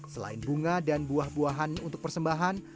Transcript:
selain bunga dan buah buahan untuk persembahan